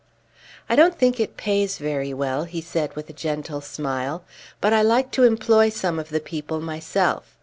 "I don't think it pays very well," he said with a gentle smile, "but I like to employ some of the people myself.